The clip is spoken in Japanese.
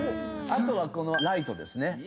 あとはこのライトですね。